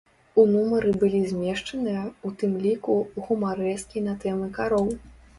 У нумары былі змешчаныя, у тым ліку, гумарэскі на тэмы кароў.